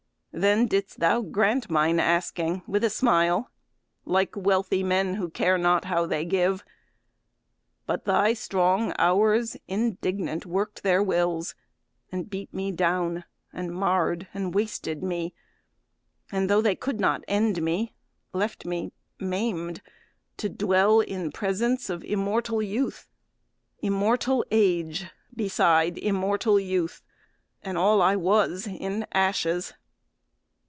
Then didst thou grant mine asking with a smile, Like wealthy men who care not how they give. But thy strong Hours indignant work'd their wills, And beat me down and marr'd and wasted me, And tho' they could not end me, left me maim'd To dwell in presence of immortal youth, Immortal age beside immortal youth, And all I was, in ashes.